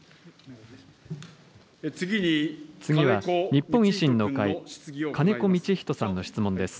日本維新の会、金子道仁さんの質問です。